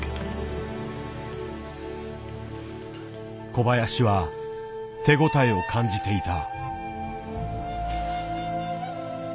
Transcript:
小林は手応えを感じていた。